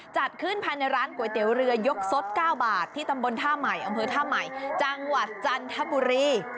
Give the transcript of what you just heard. จัดขึ้นภายในร้านก๋วยเตี๋ยวเรือยกสด๙บาทที่ตำบลท่าใหม่อำเภอท่าใหม่จังหวัดจันทบุรี